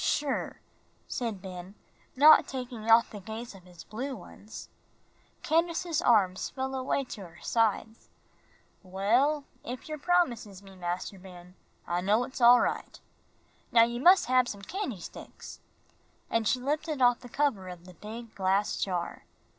"Sure," said Ben, not taking off the gaze of his blue ones. Candace's arms fell away to her sides. "Well, if yer promises me, Mas'r Ben, I know it's all right. Now you mus' hab some candy sticks," and she lifted off the cover of the big glass jar.